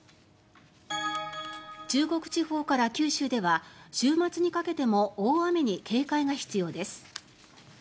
中国地方から九州では週末にかけても大雨に警戒が必要です。